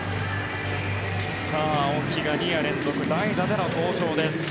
青木が２夜連続、代打での登場です。